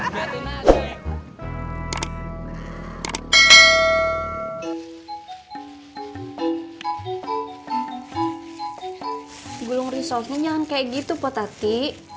gua ngeri sopnya jangan kayak gitu potati